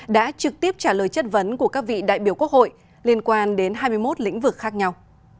đã trực tiếp trả lời chất vấn của các vị đại biểu quốc hội liên quan đến hai mươi một lĩnh vực khác nhau